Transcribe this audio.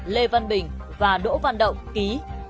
lê văn bình và đỗ văn động ký